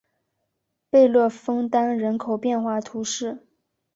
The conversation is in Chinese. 贝勒枫丹人口变化图示